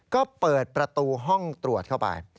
ก็เปิดประตูห้องตรวจเข้าไป